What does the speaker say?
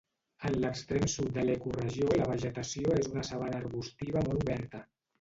En l'extrem sud de l'ecoregió la vegetació és una sabana arbustiva molt oberta.